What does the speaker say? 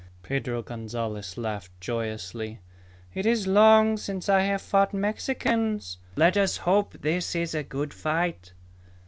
Pedro Gonzalez laughed joyously. "It is long since I have fought Mexicans. Let us hope this is a good fight."